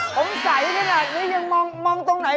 ผมใสขนาดนี้ยังมองตรงไหน